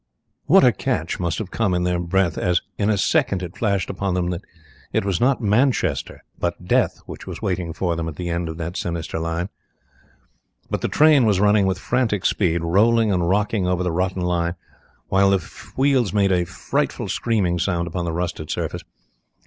What a catch must have come in their breath as in a second it flashed upon them that it was not Manchester but Death which was waiting for them at the end of that sinister line. But the train was running with frantic speed, rolling and rocking over the rotten line, while the wheels made a frightful screaming sound upon the rusted surface.